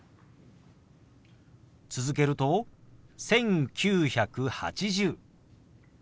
続けると「１９８０」。